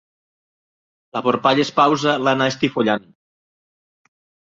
La vorpall espausa l'anà estifollant!